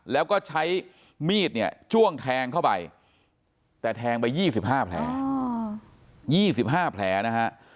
แล้วก็ใช้มีดเนี่ยจ้วงแทงเข้าไปแต่แทงไป๒๕แผล๒๕แผลนะฮะ